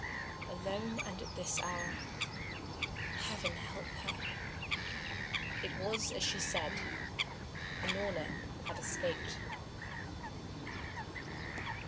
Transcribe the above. "Alone and at this hour Heaven help her!" It was as she said, Unorna had escaped.